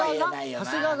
長谷川が？